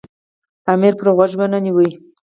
امیر پرې غوږ ونه نیوی.